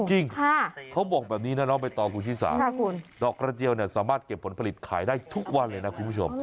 จริงเขาบอกแบบนี้นะน้องใบตองคุณชิสาดอกกระเจียวเนี่ยสามารถเก็บผลผลิตขายได้ทุกวันเลยนะคุณผู้ชม